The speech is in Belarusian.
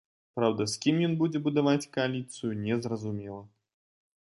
Праўда, з кім ён будзе будаваць кааліцыю, не зразумела.